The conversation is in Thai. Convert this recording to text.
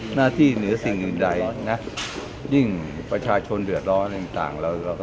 หน้าที่เหนือสิ่งยิ่งยิ่งมีประชาชนเดือดร้อนตังค์เรา